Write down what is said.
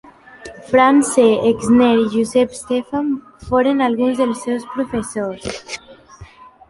Franz S. Exner i Joseph Stefan foren alguns dels seus professors.